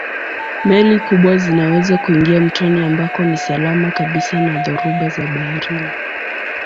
Meli kubwa zinaweza kuingia mtoni ambako ni salama kabisa na dhoruba za baharini.